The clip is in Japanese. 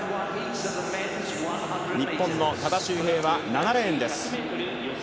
日本の多田修平は７レ−ンです。